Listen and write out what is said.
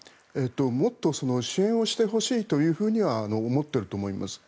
もっと支援をしてほしいというふうには思っていると思います。